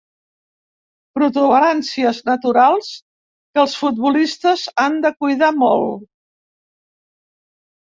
Protuberàncies naturals que els futbolistes han de cuidar molt.